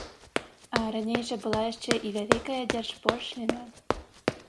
А раней жа была яшчэ і вялікая дзяржпошліна.